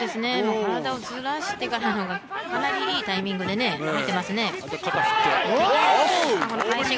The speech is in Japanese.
体をずらしてからかなりいいタイミングで入ってきますね。